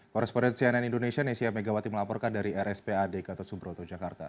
koresponden cnn indonesia nesya megawati melaporkan dari rspad gatot subroto jakarta